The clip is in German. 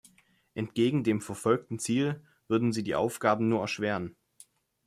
Entgegen dem verfolgten Ziel würden sie die Aufgabe nur erschweren.